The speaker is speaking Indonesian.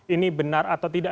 ini benar atau tidak